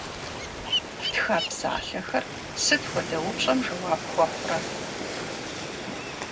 Фтха псалъэхэр сыт хуэдэ упщӏэм жэуап хуэхъурэ?